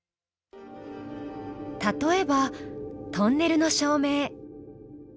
例えばトンネルの照明。